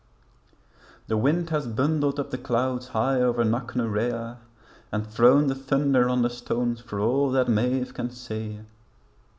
The wind has bundled up the clouds high over Knocknarea And thrown the thunder on the stones for all that Maeve can say.